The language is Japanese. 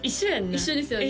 一緒ですよね